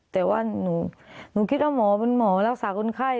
แต่ว่าหนูคิดว่าหมอเป็นหมอรักษาคนไข้